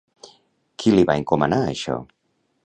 Qui li va encomanar això?